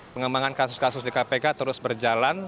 pengembangan kasus kasus di kpk terus berjalan